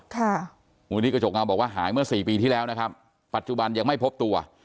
มูลนิธิกระจกเงาบอกว่าหายเมื่อสี่ปีที่แล้วนะครับปัจจุบันยังไม่พบตัว